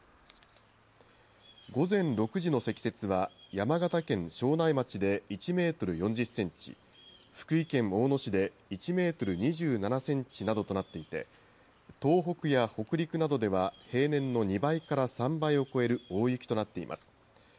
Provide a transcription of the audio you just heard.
午前６時の積雪は、山形県庄内町で１メートル４０センチ、福井県大野市で１メートル２７センチなどとなっていて、東北や北陸などでは、平年の２倍から３倍を超える大雪となっています。